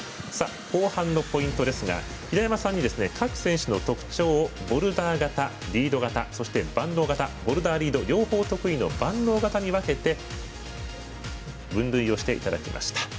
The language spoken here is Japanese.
後半のポイントですが平山さんに各選手の特徴をボルダー型リード型、そして万能型両方得意の万能型に分けて分類していただきました。